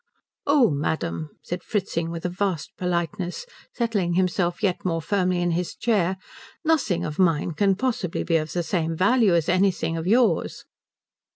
"Oh madam," said Fritzing with a vast politeness, settling himself yet more firmly in his chair, "nothing of mine can possibly be of the same value as anything of yours."